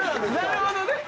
なるほどね。